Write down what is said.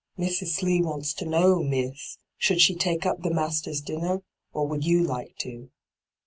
' Mrs. Slee wants to know, miss, should she take up the master's dinner, or would you like to?'